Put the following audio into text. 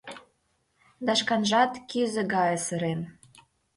Да шканжат кӱзӧ гае сырен.